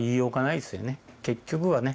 結局はね。